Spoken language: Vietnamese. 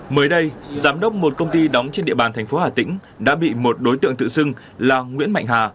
mới đây giám đốc một công ty đóng trên địa bàn thành phố hà tĩnh đã bị một đối tượng tự xưng là nguyễn mạnh hà